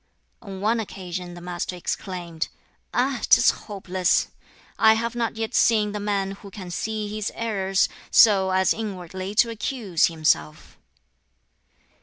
On one occasion the Master exclaimed, "Ah, 'tis hopeless! I have not yet seen the man who can see his errors, so as inwardly to accuse himself."